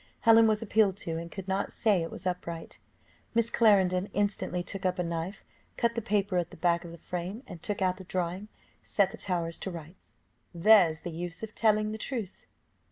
Helen was appealed to, and could not say it was upright; Miss Clarendon instantly took up a knife, cut the paper at the back of the frame, and, taking out the drawing, set the tower to rights. "There's the use of telling the truth."